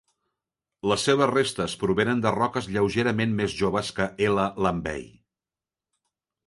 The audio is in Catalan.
Les seves restes provenen de roques lleugerament més joves que "L. lambei".